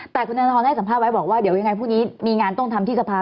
แต่คุณธนทรให้สัมภาษณ์ไว้บอกว่าเดี๋ยวยังไงพรุ่งนี้มีงานต้องทำที่สภา